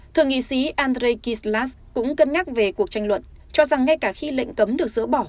thượng nghị sĩ andrei kislas cũng cân nhắc về cuộc tranh luận cho rằng ngay cả khi lệnh cấm được dỡ bỏ